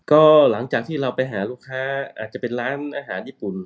ก็หลังจากที่เราไปหาลูกค้าอาจจะเป็นร้านอาหารญี่ปุ่น